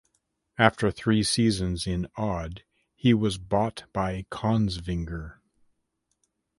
After three seasons in Odd he was bought by Kongsvinger.